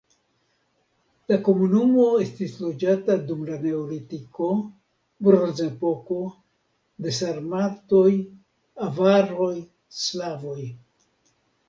La komunumo estis loĝata dum la neolitiko, bronzepoko, de sarmatoj, avaroj, slavoj.